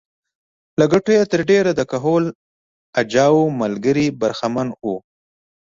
له ګټو یې تر ډېره د کهول اجاو ملګري برخمن وو